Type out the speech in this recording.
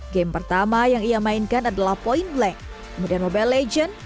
game pertama yang ia mainkan adalah point blank kemudian mobile legends